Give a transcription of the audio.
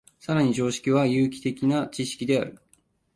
更に常識は有機的な知識である。